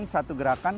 dan lo akan melihatkan